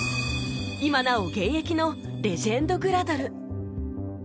今なお現役のレジェンドグラドル